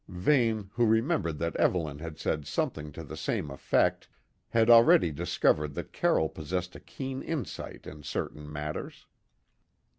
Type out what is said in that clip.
Vane, who remembered that Evelyn had said something to the same effect, had already discovered that Carroll possessed a keen insight in certain matters.